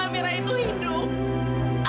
amirah itu selamat